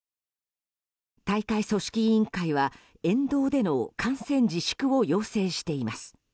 大会組織委員会は沿道での観戦自粛を要請しています。